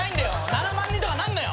７万人とかなんなよ。